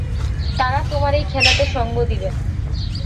তারা তোমার এই খেলাতে সঙ্গ দিবে না।